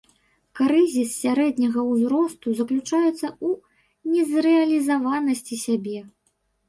Крызіс сярэдняга ўзросту заключаецца ў незрэалізаванасці сябе.